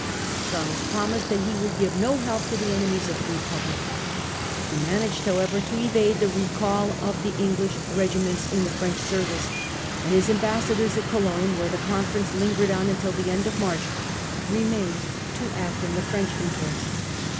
Charles promised that he would give no help to the enemies of the Re public. He managed however to evade the recall of the English regiments in the F rench service ; and his am bassadors at Cologne, where the conference lingered on until the end of March, remained to act in the French interest.